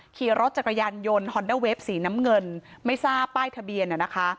ขี่รถจักรยานยนต์ฮอนด้าเวฟสีน้ำเงินไม่ทราบป้ายทะเบียนนะคะ